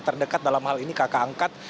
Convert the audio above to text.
terdekat dalam hal ini kakak angkat